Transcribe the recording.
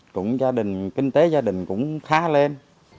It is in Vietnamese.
cũng gia đình kinh tế gia đình cũng khá lên